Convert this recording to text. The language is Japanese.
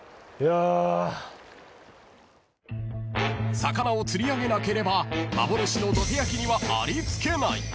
［魚を釣り上げなければ幻のどて焼きにはありつけない］